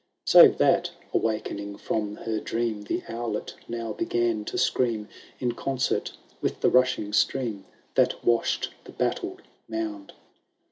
Save thatj awakening from her dream. The owlet now began to scream. In concert with the rushing stream. That wash'd the battled mound.